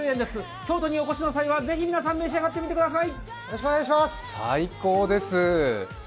京都にお越しの際はぜひ皆さん召し上がってください。